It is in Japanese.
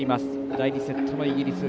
第２セットのイギリス。